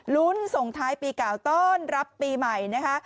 ส่งท้ายปีเก่าต้อนรับปีใหม่นะคะ